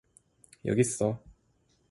여깄어.